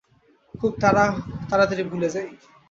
খুব তাড়াতাড়ি ভুলে যাই।